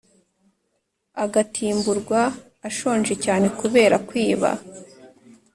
Agatimburwa ashonje cyane kubera kwiba